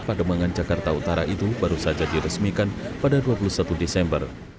pademangan jakarta utara itu baru saja diresmikan pada dua puluh satu desember